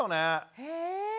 へえ。